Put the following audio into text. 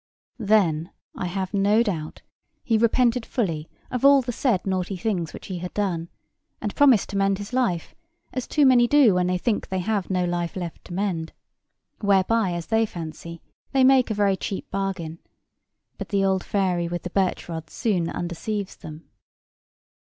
Then, I have no doubt, he repented fully of all the said naughty things which he had done, and promised to mend his life, as too many do when they think they have no life left to mend. Whereby, as they fancy, they make a very cheap bargain. But the old fairy with the birch rod soon undeceives them.